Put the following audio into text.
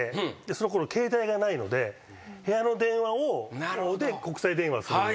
そのころ携帯がないので部屋の電話で国際電話するので。